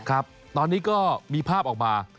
ครับตอนนี้ก็มีภาพออกมา